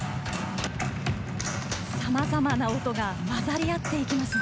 さまざまな音が混ざり合っていきますね。